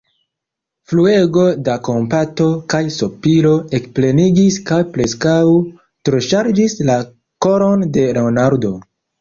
Fluego da kompato kaj sopiro ekplenigis kaj preskaŭ troŝarĝis la koron de Leonardo.